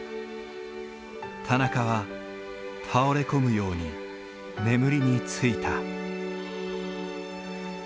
田中は倒れ込むように眠りについた。